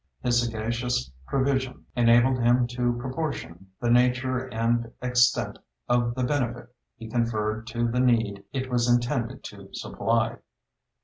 His sagacious prevision enabled him to proportion the nature and extent of the benefit he conferred to the need it was intended to supply.